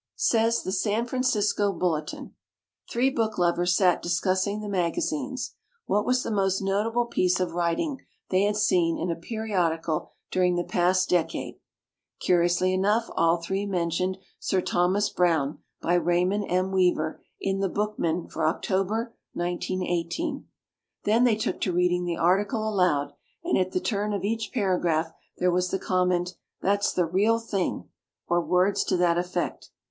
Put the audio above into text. Says the San Francisco "Bulletin": Three book lovers sat discussing the maga sines. What was the most notable piece of writing they had seen in a periodical during the past decade? Curiously enough all three mentioned "Sir Thomas Browne" by Raymond M. Weaver in Thb Bookman for October, 1918. Then they took to reading the article aloud and at the turn of each paragraph there was the comment, "That's the real thing" — or words to that effect.